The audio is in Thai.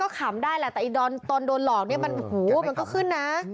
ถามได้แหละแต่ตอนโดนหลอกเนี่ยมันก็ขึ้นนะ